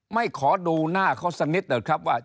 ขอดูหน้าเขาสักนิดหน่อยครับว่า